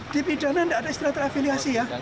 di pidana tidak ada istilah terafiliasi ya